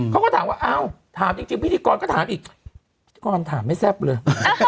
เขาก็ถามว่าเอ้าถามจริงพิธีกรก็ถามอีกพิธีกรถามไม่แซ่บเลย